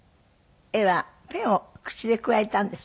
絵はペンを口でくわえたんですって？